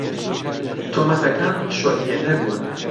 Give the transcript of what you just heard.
تۆمەتەکان شۆکهێنەر بوون.